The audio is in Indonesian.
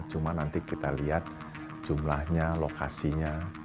cuma nanti kita lihat jumlahnya lokasinya